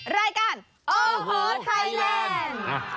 รายการโอ้โหไทยแลนด์